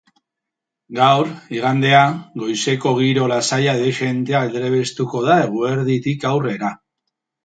Gaur, igandea, goizeko giro lasaia dezente aldrebestuko da eguerditik aurrera.